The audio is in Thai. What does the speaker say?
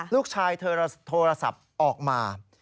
ลูกชายเธอโทรศัพท์ออกมา